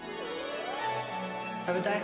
食べたい？